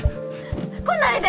来ないで！